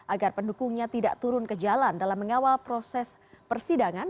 agar pendukungnya tidak turun ke jalan dalam mengawal proses persidangan